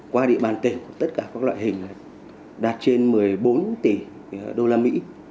qua địa bàn tỉnh của tất cả các loại hình đạt trên một mươi bốn tỷ usd